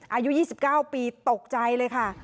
อายุ๒๙ปีตกใจเลยค่ะ